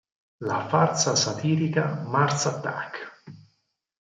La farsa satirica "Mars Attacks!